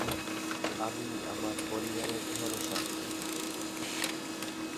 সংযুক্ত আরব আমিরাতের দুবাই উপকূলে অবস্থিত।